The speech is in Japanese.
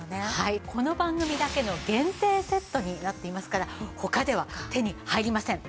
この番組だけの限定セットになっていますから他では手に入りません。